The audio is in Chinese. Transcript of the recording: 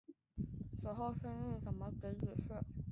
此后升任南京兵科给事中。